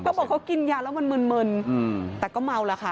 เขาบอกเขากินยาแล้วมันมึนแต่ก็เมาแล้วค่ะ